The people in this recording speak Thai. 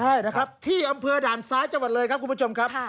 ใช่นะครับที่อำเภอด่านซ้ายจังหวัดเลยครับคุณผู้ชมครับ